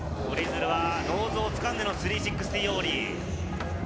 ノーズをつかんでの３６０オーリー。